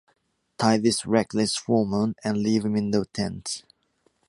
Tie this reckless foreman and leave him in the tent.